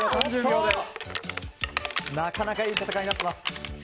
なかなかいい戦いになっています。